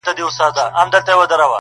د يو ښايستې سپيني كوتري په څېر~